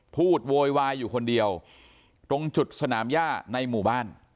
โวยวายอยู่คนเดียวตรงจุดสนามย่าในหมู่บ้าน